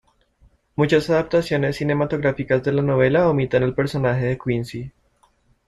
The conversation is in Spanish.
Muchas adaptaciones cinematográficas de la novela omiten al personaje de Quincey.